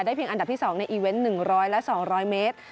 เพียงอันดับที่๒ในอีเวนต์๑๐๐และ๒๐๐เมตร